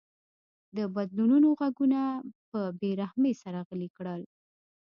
د بدلونونو غږونه په بې رحمۍ سره غلي کړل.